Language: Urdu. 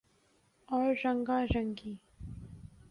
اور رنگا رنگی